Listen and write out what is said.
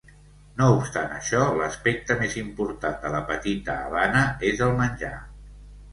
No obstant això, l'aspecte més important de la petita Havana és el menjar.